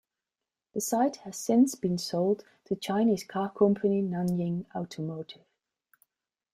The site has since been sold to Chinese car company Nanjing Automotive.